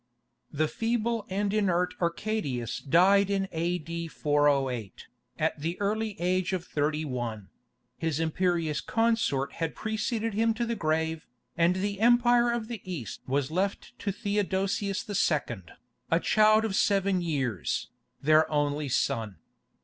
The feeble and inert Arcadius died in A.D. 408, at the early age of thirty one; his imperious consort had preceded him to the grave, and the empire of the East was left to Theodosius II., a child of seven years, their only son.